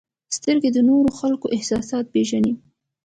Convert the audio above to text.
• سترګې د نورو خلکو احساسات پېژني.